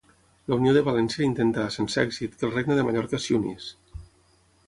La Unió de València intentà, sense èxit, que el Regne de Mallorca s'hi unís.